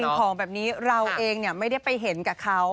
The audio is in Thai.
ของแบบนี้เราเองไม่ได้ไปเห็นกับเขา